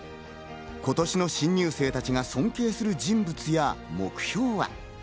今年の新入生たちが尊敬する人物や目標は？